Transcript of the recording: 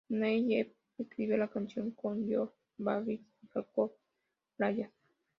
Neil y Reid Perry co-escribió la canción con John Davidson y Jacob Bryant.